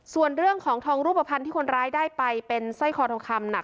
ส่วนเรื่องของทองรูปภัณฑ์ที่คนร้ายได้ไปเป็นสร้อยคอทองคำหนัก